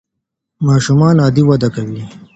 ماشومان عادي وده کوي.